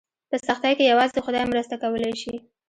په سختۍ کې یوازې خدای مرسته کولی شي.